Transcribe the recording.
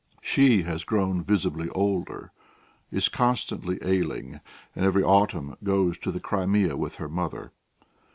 She has grown visibly older, is constantly ailing, and every autumn goes to the Crimea with her mother.